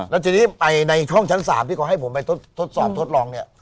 แล้วทีนี้ไปในช่องชั้น๓ที่เขาให้ผมไปทดสอบทดลองเนี่ย